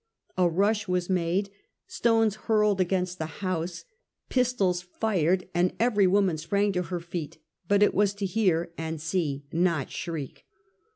A rush was made, stones hurled against the house, pistols fired, and every woman sprang to her feet, but it was to hear and see, not shriek.